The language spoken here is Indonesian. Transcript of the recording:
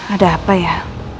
ada apa ya